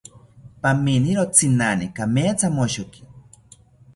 Paminiro tzinani kamethamoshoki